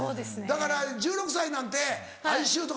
だから１６歳なんて哀愁とか。